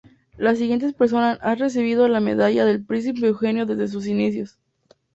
Las siguientes personas han recibido la Medalla del Príncipe Eugenio desde sus inicios.